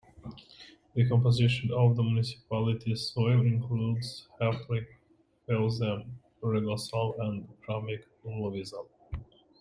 The composition of the municipality's soil includes Haplic Feozem, Regosol and Chromic Luvisol.